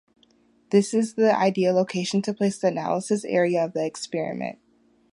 This is the ideal location to place the analysis area of the experiment.